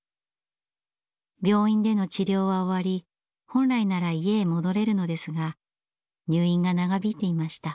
病院での治療は終わり本来なら家へ戻れるのですが入院が長引いていました。